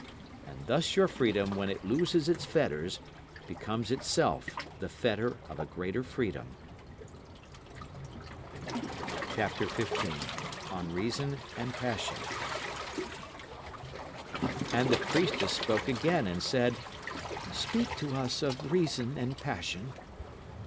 And thus your freedom when it loses its fetters becomes itself the fetter of a greater freedom. And the priestess spoke again and said: Speak to us of Reason and Passion.